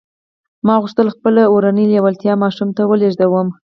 ما غوښتل خپله اورنۍ لېوالتیا ماشوم ته ولېږدوم